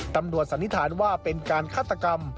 สันนิษฐานว่าเป็นการฆาตกรรม